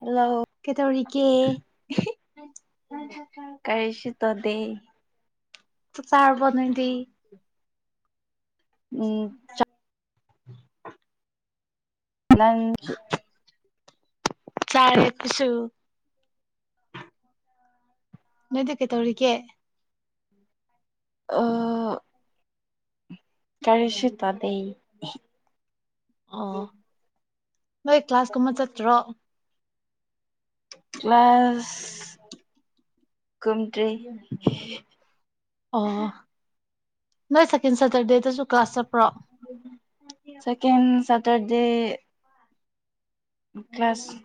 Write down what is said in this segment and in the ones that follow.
hello ꯀꯩꯗꯧꯔꯤꯒꯦ ꯇꯥꯗꯦ ꯆꯥꯛ ꯆꯔꯥꯕꯣ ꯅꯣꯏꯗꯤ ꯎꯝ [inaudible] ꯅꯪꯒꯤ ꯆꯥꯔꯦ ꯈꯣꯏꯁꯨ ꯅꯣꯏꯗꯤ ꯀꯩꯗꯧꯔꯤꯒꯦ ꯑꯥ ꯀꯔꯤꯁꯨ ꯇꯧꯗꯦ ꯑꯣ ꯅꯣꯏ ꯀ꯭ꯂꯥꯁ ꯀꯨꯝꯕ ꯆꯠꯇ꯭ꯔꯣ [inaudible] ꯀ꯭ꯂꯥꯁ ꯀꯨꯝꯇ꯭ꯔꯤ ꯑꯣ ꯅꯣꯏ ꯁꯦꯀꯦꯟ ꯁꯇꯔꯗꯦꯗꯁꯨ ꯀ꯭ꯂꯥꯁ ꯆꯠꯄ꯭ꯔꯣ second Saturday class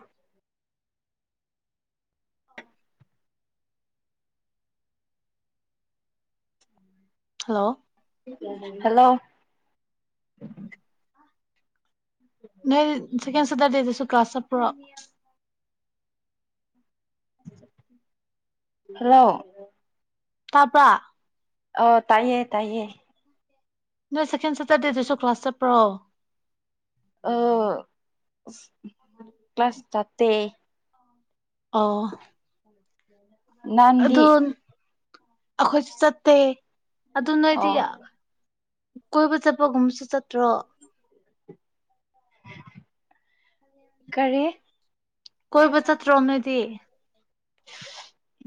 hello hello ꯄ꯭ꯔꯣ ꯍꯜꯂꯣ ꯇꯥꯕ꯭ꯔꯥ ꯑꯥꯎ ꯇꯥꯏꯌꯦ ꯇꯥꯏꯌꯦ ꯅꯣꯏ ꯁꯦꯀꯦꯟ ꯁꯦꯇꯔꯗꯦꯗꯨꯁꯨ ꯀ꯭ꯂꯥꯁ ꯆꯠꯄ꯭ꯔꯣ ꯑꯁ ꯀ꯭ꯂꯥꯁ ꯆꯠꯇꯦ ꯑꯣ [unintelligible] ꯑꯗꯨ ꯑꯩꯈꯣꯏꯁꯨ ꯆꯠꯇꯦ ꯑꯗꯨ ꯅꯣꯏꯗꯤ ꯑꯣ ꯀꯣꯏꯕ ꯆꯠꯄꯒꯨꯝꯕꯁꯨ ꯆꯠꯇ꯭ꯔꯣ ꯀꯔꯤ ꯀꯣꯏꯕ ꯆꯠꯇ꯭ꯔꯣ ꯅꯣꯏꯗꯤ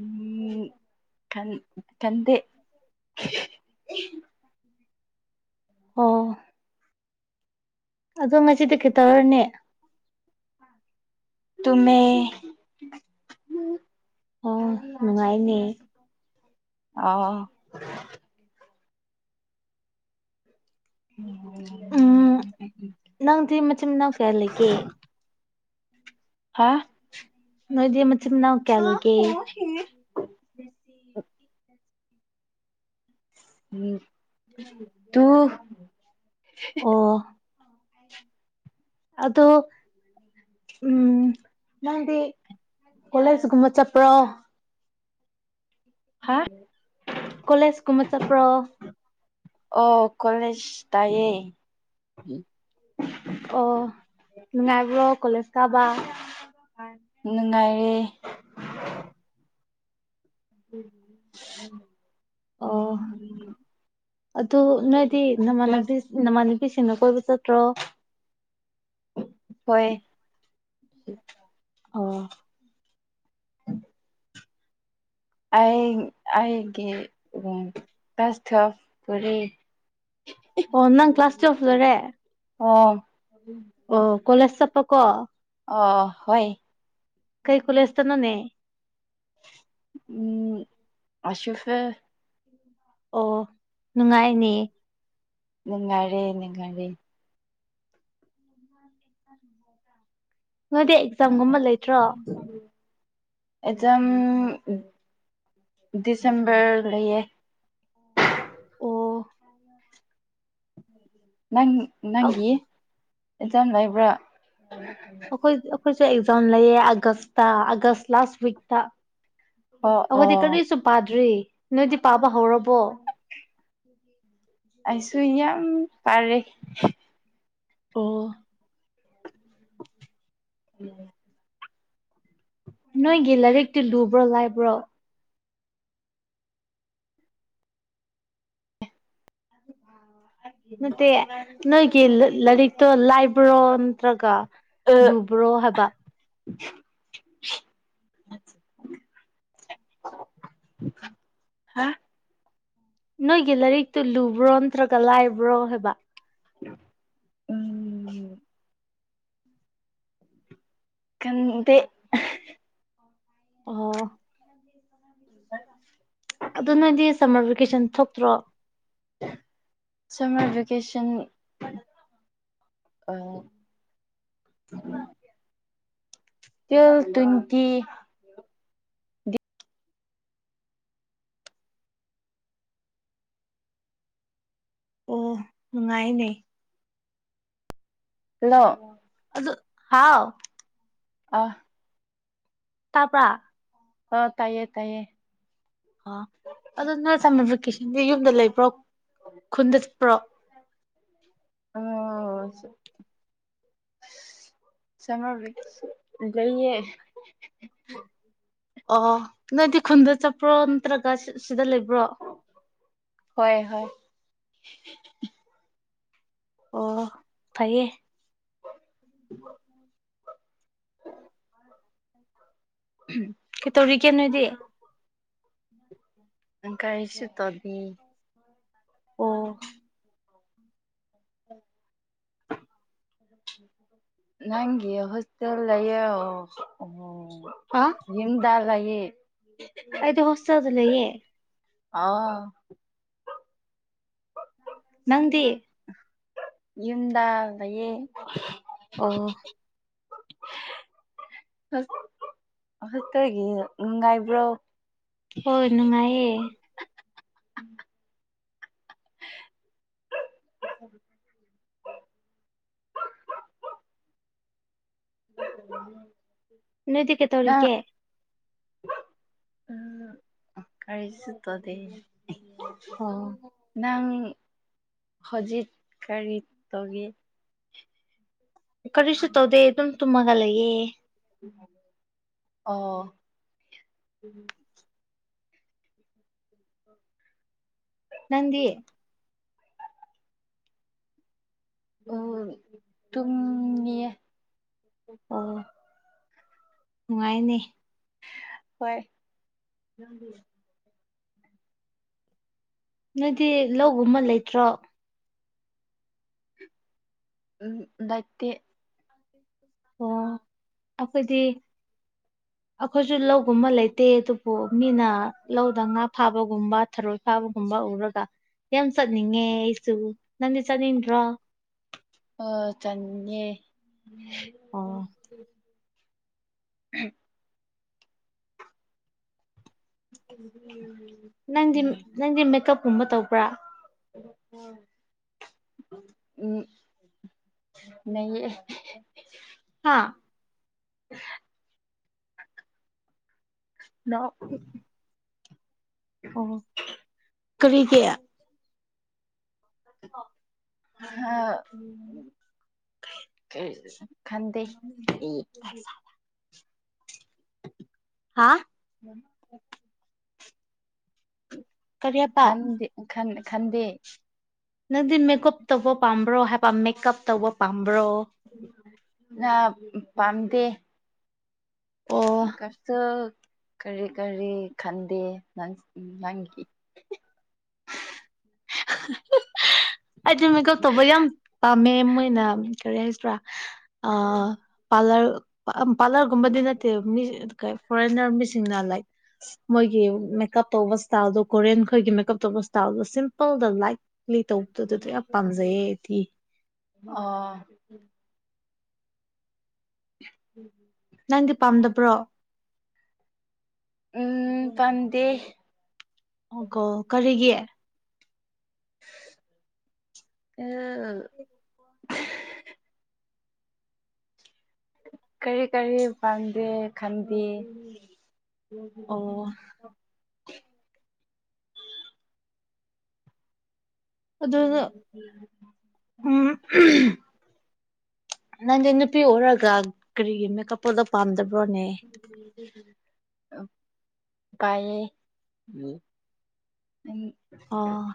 [inaudible] ꯎꯝ ꯈꯟ ꯈꯟꯗꯦ ꯑꯣ ꯑꯗꯣ ꯉꯁꯤꯗꯤ ꯀꯩꯇꯧꯔꯅꯤ ꯇꯨꯝꯃꯦ ꯑꯣ ꯅꯨꯡꯉꯥꯏꯅꯦ ꯑꯣ ꯎꯝ [unintelligible] ꯅꯪꯗꯤ ꯃꯆꯤꯟ ꯃꯅꯥꯎ ꯀꯌꯥ ꯂꯩꯒꯦ ꯍꯥ ꯅꯣꯏꯗꯤ ꯃꯆꯤꯟ ꯃꯅꯥꯎ ꯀꯌꯥ ꯑꯥ ꯂꯩꯒꯦ ꯍꯣ ꯍꯦ ꯎꯝ ꯇꯨ ꯑꯣ ꯑꯗꯣ ꯎꯝ ꯅꯪꯗꯤ ꯀꯣꯂꯦꯖꯀꯨꯝꯕ ꯆꯠꯄ꯭ꯔꯣ ꯍꯥ ꯀꯣꯂꯦꯖ ꯀꯨꯝꯕ ꯆꯄ꯭ꯔꯣ ꯑꯣ ꯀꯣꯂꯦꯖ ꯇꯥꯏꯌꯦ ꯑꯣ ꯅꯨꯡꯉꯥꯏꯕ꯭ꯔꯣ ꯀꯣꯂꯦꯖ ꯀꯥꯕ ꯅꯨꯡꯉꯥꯏꯔꯦ [unintelligible] ꯑꯣ ꯑꯗꯨ ꯅꯣꯏꯗꯤ ꯅꯃꯥꯟꯅꯕꯤ ꯀ꯭ꯂꯥꯁ ꯃꯅꯤꯕꯤꯁꯤꯅ ꯀꯣꯏꯕ ꯆꯠꯇ꯭ꯔꯣ ꯍꯣꯏ ꯑꯣ ꯑꯩ ꯑꯩꯒꯤ [unintelligible] ꯀ꯭ꯂꯥꯁ ꯇ꯭ꯨꯌꯦꯜꯐ ꯄꯨꯔꯤ ꯑꯣ ꯅꯪ ꯀ꯭ꯂꯥꯁ ꯇ꯭ꯋꯦꯜꯐ ꯂꯣꯏꯔꯦ ꯑꯣ ꯑꯣ ꯀꯣꯂꯦꯖ ꯆꯞꯄ ꯀꯣ ꯑꯣ ꯍꯣꯏ ꯀꯩ ꯈꯨꯨꯂꯁ ꯇꯅꯅꯦ ꯎꯝ ꯑꯁꯐ ꯑꯣ ꯅꯨꯡꯉꯥꯏꯅꯦ ꯅꯤꯉꯥꯏꯔꯦ ꯅꯤꯉꯥꯏꯔꯦ ꯅꯣꯏꯗꯤ ꯑꯦꯛꯖꯥꯝꯒꯨꯝꯕ ꯂꯩꯇ꯭ꯔꯣ ꯑꯣ [unintelligible] ꯑꯦꯗꯝꯝ ꯗꯤꯁꯦꯝꯕꯔ ꯂꯩꯌꯦ ꯑꯣ ꯅꯪ ꯅꯪꯒꯤ ꯑꯦꯛꯖꯥꯝ ꯂꯩꯕ꯭ꯔꯥ ꯑꯩꯈꯣꯏ ꯑꯩꯈꯣꯏꯁꯨ ꯑꯦꯛꯖꯥꯝ ꯂꯩꯌꯦ ꯑꯥꯒꯁꯇ ꯑꯥꯒꯁ ꯂꯥꯁ ꯋꯤꯛꯇ ꯑꯣ ꯑꯩꯈꯣꯏꯗꯤ ꯑꯣ ꯀꯔꯤꯁꯨ ꯄꯥꯗ꯭ꯔꯤ ꯅꯣꯏꯗꯤ ꯄꯥꯕ ꯍꯧꯔꯕꯣ ꯑꯩꯁꯨ ꯌꯥꯝ ꯄꯥꯔꯤ ꯑꯣ [unintelligible] ꯅꯣꯏꯒꯤ ꯂꯥꯏꯔꯤꯛꯇꯨ ꯂꯨꯕ꯭ꯔꯣ ꯂꯥꯏꯕ꯭ꯔꯣ ꯅꯠꯇꯦ ꯅꯣꯏꯒꯤ ꯂꯥꯏꯔꯤꯛꯇꯣ ꯂꯥꯏꯕ꯭ꯔꯣ ꯅꯠꯇ꯭ꯔꯒ ꯑ ꯂꯨꯕ꯭ꯔꯣ ꯍꯥꯏꯕ [unintelligible] ꯍꯥ ꯅꯣꯏꯒꯤ ꯂꯥꯏꯔꯤꯛꯇꯨ ꯂꯨꯕ꯭ꯔꯣ ꯅꯠꯇ꯭ꯔꯒ ꯂꯥꯏꯕ꯭ꯔꯣ ꯍꯥꯏꯕ [unintelligible] ꯎꯝ ꯀꯟꯗꯦ ꯑꯣ [unintelligible] ꯑꯗꯨꯣ ꯅꯣꯏꯗꯤ ꯁꯝꯃꯔ ꯚꯦꯀꯦꯁꯟ ꯊꯣꯛꯇ꯭ꯔꯣ summer vacation uh till twenty ꯑꯣ ꯅꯨꯡꯉꯥꯏꯅꯦ ꯍꯦꯜꯂꯣ ꯑꯗꯨ ꯍꯥꯎ ꯑꯥ ꯇꯥꯄꯥ ꯑ ꯇꯥꯏꯌꯦ ꯇꯥꯏꯌꯦ ꯑ ꯑꯗꯣ ꯅꯣꯏ ꯁꯝꯃ ꯚꯦꯀꯦꯁꯟꯒꯤ ꯌꯨꯝꯗ ꯂꯩꯕ꯭ꯔꯣ ꯈꯨꯟꯗ ꯆꯠꯄ꯭ꯔꯣ ꯑꯥ ꯆꯠ ꯁꯨꯝꯃꯦꯔ ꯚꯦꯀꯦꯁꯟ ꯂꯩꯌꯦ ꯑꯣ ꯅꯣꯏꯗꯤ ꯈꯨꯟꯗ ꯆꯠꯄ꯭ꯔꯣ ꯅꯠꯇ꯭ꯔꯒ ꯁꯤꯗ ꯂꯩꯕ꯭ꯔꯣ ꯍꯣꯏ ꯍꯣꯏ ꯑꯣ ꯐꯩꯌꯦ [inaudible] ꯎꯝ ꯀꯩꯇꯧꯔꯤꯒꯦ ꯅꯣꯏꯗꯤ ꯀꯔꯤꯁꯨ ꯇꯧꯗꯦ ꯑꯣ ꯎꯝ ꯅꯪꯒ ꯍꯣꯁꯇꯦꯜ ꯂꯩ ꯌꯣ ꯍꯥ ꯌꯨꯝ ꯗꯥ ꯂꯩꯌꯦ ꯑꯩꯗꯤ ꯍꯣꯁꯇꯦꯜꯗ ꯂꯩꯌꯦ ꯅꯪꯗꯤ ꯌꯨꯝꯗꯥ ꯂꯩꯌꯦ ꯑꯣ [inaudible] [inaudible] ꯍꯒꯤ ꯅꯨꯡꯉꯥꯏꯕ꯭ꯔꯣ ꯍꯣꯏ ꯅꯨꯡꯉꯥꯏꯌꯦ ꯎ ꯍ ꯅꯣꯏꯗꯤ ꯀꯩ ꯇꯧꯔꯤꯒꯦ ꯎ ꯀꯔꯤꯁꯤꯗ ꯑꯣ ꯅꯪ ꯍꯧꯖꯤꯛ ꯀꯔꯤ ꯇꯧꯒꯦ ꯀꯔꯤꯁꯨ ꯇꯧꯗꯦ ꯑꯗꯨꯝ ꯇꯨꯝꯃꯒ ꯂꯩꯌꯦꯦ ꯑꯣ ꯅꯡꯗꯤ ꯑꯣ ꯇꯨꯝ ꯃꯦ ꯑꯣ ꯅꯨꯡꯉꯥꯏꯅꯦ ꯍꯣꯏ ꯅꯣꯏꯗꯤ ꯂꯧꯕ ꯑꯃ ꯂꯩꯇ꯭ꯔꯣ ꯎꯝ ꯅꯠꯇ [inaudible] ꯑꯣ ꯑꯗꯤ ꯑꯩꯈꯣꯏꯁꯨ ꯂꯧꯒꯨꯝꯕ ꯂꯩꯇꯦ ꯑꯗꯨꯕꯨ ꯃꯤꯅ ꯂꯧꯗ ꯉꯥ ꯐꯥꯕꯒꯨꯝꯕ ꯊꯔꯣꯏ ꯐꯥꯕꯒꯨꯝꯕ ꯎꯔꯒ ꯌꯥꯝ ꯆꯠꯅꯤꯡꯉꯦ ꯑꯩꯁꯨ ꯅꯪꯗꯤ ꯆꯠꯅꯤꯡꯗ꯭ꯔꯣ ꯑꯣ ꯆꯟꯅꯦ ꯑꯣ ꯎꯝ ꯎ ꯅꯪꯗꯤ ꯅꯪꯗꯤ ꯃꯦꯀꯞꯀꯨꯝꯕ ꯇꯧꯕ꯭ꯔꯥ ꯎꯝ ꯅꯌꯦ [inaudible] ꯍꯥꯥ ꯅ ꯑꯣ ꯀꯔꯤ ꯀꯌꯥ ꯑꯣ ꯈꯗ ꯍꯥꯥ ꯎꯝ ꯀꯔꯤ ꯍꯥꯏꯕ ꯈꯟꯗꯦꯟ ꯈꯟꯗꯦ ꯅꯪꯗꯤ ꯃꯦꯀꯞ ꯇꯧꯕ ꯄꯥꯝꯕ꯭ꯔꯣ ꯍꯥꯏ ꯃꯦꯀꯞ ꯇꯧꯕ ꯄꯥꯝꯕ꯭ꯔꯣ ꯉ ꯄꯥꯝꯗꯦ ꯑꯣ ꯀꯁꯨ ꯀꯔꯤ ꯀꯔꯤ ꯈꯟꯗꯦꯪ ꯅꯪꯒꯤ [inaudible] ꯑꯩꯗꯤ ꯃꯦꯀꯞ ꯇꯧꯕ ꯌꯥꯝ ꯄꯥꯝꯃꯦ ꯃꯣꯏꯅ ꯀꯔꯤ ꯍꯥꯏꯁꯤ꯭ꯔꯥ ꯑ ꯄꯥꯔꯂꯔ ꯄꯥꯔꯂꯔꯒꯨꯝꯕꯗꯤ ꯅꯠꯇꯦꯕ ꯃꯤ ꯐꯣꯔꯦꯟꯅꯔ ꯃꯤꯁꯤꯡꯅ ꯂꯥꯏꯛ ꯃꯣꯏꯒꯤ ꯃꯦꯀꯞ ꯇꯧꯕ ꯏꯁꯇꯥꯏꯜꯗꯣ ꯀꯣꯔꯤꯌꯟ ꯈꯣꯏꯒꯤ ꯃꯦꯀꯞ ꯇꯧꯕ ꯏꯁꯇꯥꯏꯜꯗꯣ ꯁꯤꯝꯄꯜꯗ ꯂꯥꯏꯛ ꯂꯩ ꯇꯧꯕꯗꯁꯨ ꯌꯥꯝ ꯄꯥꯝꯖꯩꯌꯦꯗꯤ ꯑꯥ ꯎꯝ ꯅꯪꯗꯤ ꯄꯥꯝꯗꯕ꯭ꯔꯣ ꯎꯝ ꯐꯗꯦ ꯑꯣꯀꯣ ꯀꯔꯤꯒꯤ ꯑ ꯀꯔꯤ ꯀꯔꯤ ꯄꯥꯝꯗꯦ ꯈꯟꯗꯦ ꯑꯣ ꯑꯗꯨ ꯅꯪ ꯅꯪꯗꯤ ꯅꯨꯄꯤ ꯑꯣꯏꯔꯒ ꯀꯔꯤꯒꯤ ꯃꯦꯀꯞ ꯄꯣꯗꯛ ꯄꯥꯝꯗꯕ꯭ꯔꯣꯅꯦ ꯄꯥꯢꯌꯦ [inaudible] ꯑꯣ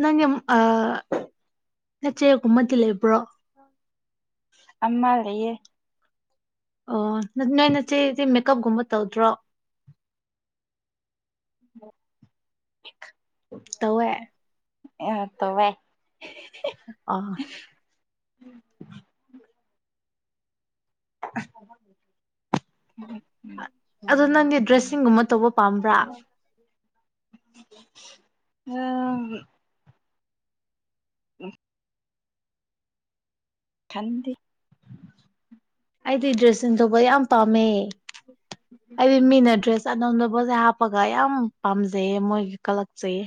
ꯅꯪꯒꯤ ꯑ ꯅꯆꯦ ꯒꯨꯝꯕꯗꯤ ꯂꯩꯕ꯭ꯔꯣ ꯑꯃ ꯂꯩꯌꯦ ꯑꯣ ꯅꯣꯏ ꯅꯆꯦꯗꯤꯦ ꯃꯦꯀꯞꯒꯨꯝꯕ ꯇꯧꯗ꯭ꯔꯣ [unintelligible] [unintelligible] ꯇꯦ ꯑ ꯇꯣ ꯑ ꯎꯝ ꯎꯝ ꯑꯗꯣ ꯅꯪꯗꯤ ꯗ꯭ꯔꯦꯁꯤꯡꯒꯨꯝꯕ ꯇꯧꯕ ꯄꯥꯝꯕ꯭ꯔꯥ ꯎꯝ [inaudible] ꯈꯪꯗꯦ ꯑꯩꯗꯤ ꯗ꯭ꯔꯦꯁꯤꯡ ꯇꯧꯕ ꯌꯥꯝ ꯄꯥꯝꯃꯦ [inaudible] ꯑꯩꯗꯤ ꯃꯤꯅ ꯗ꯭ꯔꯦꯁ ꯑꯅꯧꯅꯧꯕꯁꯦ ꯍꯥꯞꯄꯒ ꯌꯥꯝ ꯄꯥꯝꯖꯩꯌꯦ ꯃꯣꯏꯒꯤ ꯀꯜꯂꯛꯆꯩꯌꯦ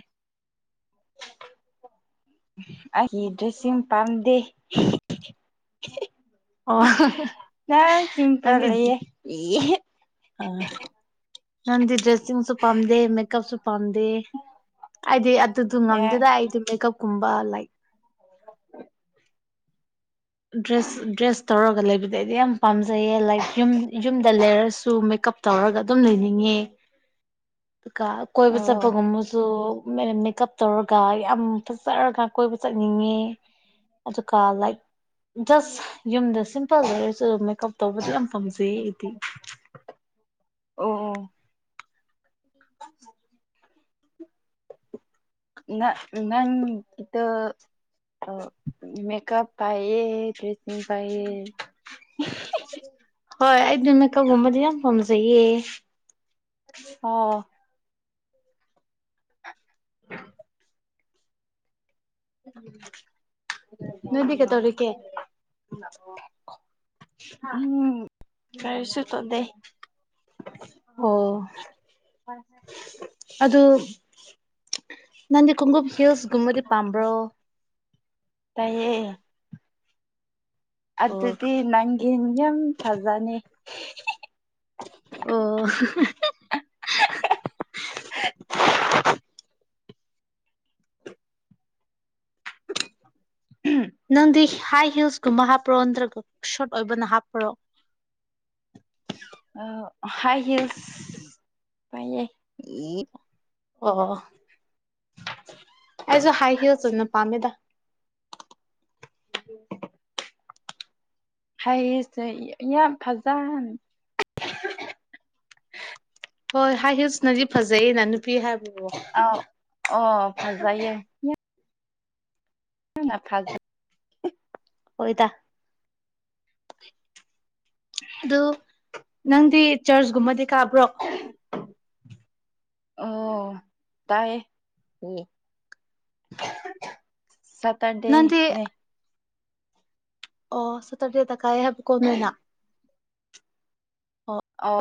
ꯑꯩꯒꯤ ꯗ꯭ꯔꯦꯁꯤꯡ ꯄꯥꯝꯗꯦ ꯑꯣ ꯅ ꯁꯤꯝꯄ ꯅꯪꯗꯤ ꯂꯩꯌꯦ ꯑ ꯅꯗꯤ ꯗ꯭ꯔꯦꯁꯤꯡꯁꯨ ꯄꯥꯝꯗꯦ ꯃꯦꯀꯞꯁꯨ ꯄꯥꯝꯗꯦ ꯑꯥꯏꯗꯤ ꯑꯗꯨꯗꯨ ꯉꯝꯗꯦꯗ ꯑꯥꯢꯗꯤ ꯃꯦꯀꯞꯀꯨꯝꯕ ꯂꯥꯏꯛ ꯗ꯭ꯔꯦꯁ ꯗ꯭ꯔꯦꯁ ꯇꯧꯔꯒ ꯂꯩꯕꯗ ꯑꯩꯗꯤ ꯌꯥꯝ ꯄꯥꯝꯖꯩꯌꯦ ꯂꯥꯏꯛ ꯌꯨꯝ ꯌꯨꯝꯗ ꯂꯩꯔꯁꯨ ꯃꯦꯀꯞ ꯇꯧꯔꯒ ꯑꯗꯨꯝ ꯂꯩꯅꯤꯡꯉꯦ ꯑꯗꯨꯒ ꯀꯣꯏꯕ ꯑꯣ ꯆꯠꯄꯒꯨꯝꯕꯁꯨ ꯃꯦ ꯀꯞ ꯇꯧꯔꯒ ꯌꯥꯝ ꯐꯖꯔꯒ ꯀꯣꯏꯕ ꯆꯠꯅꯤꯡꯉꯦ ꯑꯗꯨꯒ ꯂꯥꯏꯛ ꯖꯁ ꯌꯨꯝꯗ ꯁꯤꯝꯄꯜ ꯂꯩꯔꯁꯨ ꯑꯗꯨꯝ ꯃꯦꯀꯞ ꯇꯧꯕꯗꯨ ꯌꯥꯝ ꯄꯥꯝꯖꯩꯌꯦ ꯑꯩꯗꯤ ꯑꯣ ꯑꯣ [inaudible] ꯅꯪ ꯅꯪꯪꯒꯤꯗꯣ ꯃꯦꯀꯞ ꯄꯥꯌꯦ ꯗ꯭ꯔꯦꯁꯤꯁꯤꯡ ꯄꯥꯌꯦ ꯍꯣꯏ ꯑꯩꯗꯤ ꯃꯦꯀꯞꯒꯨꯝꯕꯗꯤ ꯌꯥꯝ ꯄꯥꯝꯖꯩꯌꯦ ꯑꯣ ꯅꯣꯏꯗꯤ [unintelligible] ꯀꯩꯗꯧꯔꯤꯒꯦ [unintelligible] ꯎꯝ ꯀꯔꯤꯁꯨ ꯇꯣꯗꯦ ꯑꯣ ꯑꯗꯨ ꯅꯪꯗꯤ ꯈꯣꯡꯒꯨꯞ ꯍꯤꯜꯁꯒꯨꯝꯕꯗꯤ ꯄꯥꯝꯕ꯭ꯔꯣ ꯇꯥꯏꯌꯦ ꯑꯣ ꯑꯗꯨꯗꯤ ꯅꯪꯒꯤ ꯌꯥꯝ ꯐꯖꯅꯤ ꯑꯣ [inaudible] [inaudible] [unintelligible] ꯅꯪꯗꯤ ꯍꯥꯏ ꯍꯤꯜꯁꯀꯨꯝꯕ ꯍꯥꯞꯄ꯭ꯔꯣ ꯅꯠꯇ꯭ꯔꯒ ꯁꯣꯔꯠ ꯑꯣꯏꯕꯅ ꯍꯥꯞꯄ꯭ꯔꯣ ꯑ ꯍꯥꯏ ꯍꯤꯜꯁ ꯄꯥꯏꯌꯦ ꯑꯣ ꯑꯩꯁꯨ ꯍꯥꯏ ꯍꯤꯜꯁ ꯑꯣꯢꯅ ꯄꯥꯝꯃꯦꯗ [inaudible] ꯍꯥꯏ ꯍꯤꯜꯁꯆꯣ ꯌꯥꯝ ꯐꯖꯥꯟ ꯍꯣꯏ ꯍꯥꯏ ꯍꯤꯜꯁꯅꯗꯤ ꯐꯖꯩꯌꯦꯅ ꯅꯨꯄꯤ ꯍꯥꯏꯕꯕꯣ ꯑꯥꯎ ꯑꯣ ꯐꯖꯩ ꯍ ꯐꯥꯜ ꯑꯣꯏꯣꯏꯇꯥ [unintelligible] ꯑꯗꯨ ꯅꯪꯗꯤ ꯆꯔꯆꯒꯨꯝꯕꯗꯤ ꯀꯥꯕ꯭ꯔꯣ ꯑꯣ ꯇꯥꯏ ꯍ ꯅꯪꯗꯤ [unintelligible] ꯑꯣ ꯁꯇꯔꯗꯦꯗ ꯀꯥꯏꯌꯦ ꯍꯥꯏꯕꯀꯣ ꯅꯣꯏꯅ ꯑꯣ